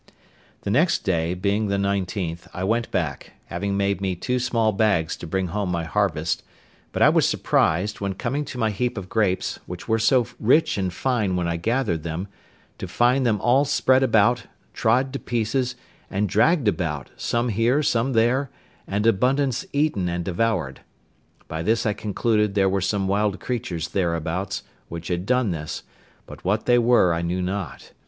The next day, being the nineteenth, I went back, having made me two small bags to bring home my harvest; but I was surprised, when coming to my heap of grapes, which were so rich and fine when I gathered them, to find them all spread about, trod to pieces, and dragged about, some here, some there, and abundance eaten and devoured. By this I concluded there were some wild creatures thereabouts, which had done this; but what they were I knew not.